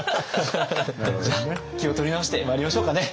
じゃあ気を取り直してまいりましょうかね。